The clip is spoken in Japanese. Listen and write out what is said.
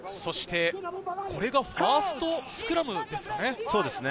そしてこれがファーストスクラムですね。